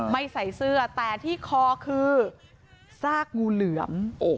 ไม่ใส่เสื้อแต่ที่คอคือซากงูเหลือม